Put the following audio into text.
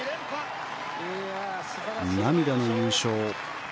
涙の優勝。